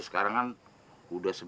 sama mengang focuses